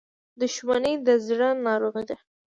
• دښمني د زړه ناروغي ده.